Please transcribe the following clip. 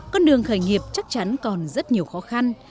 con đường khởi nghiệp chắc chắn còn rất nhiều khó khăn